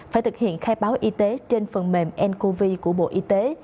phải thực hiện khai báo y tế trên phần mềm ncov của bộ y tế